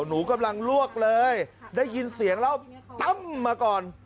หนูกำลังลวกเลยได้ยินเสียงแล้วตั้มมาก่อน